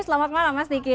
selamat malam mas niki